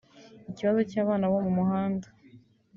”Ikibazo cy’abana bo mu muhanda